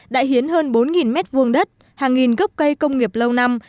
đã hiến hơn bốn mét vuông đất hàng nghìn gốc cây công nghiệp lâu năm